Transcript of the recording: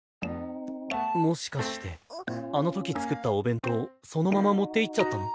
もしかしてあのとき作ったお弁当そのまま持っていっちゃったの？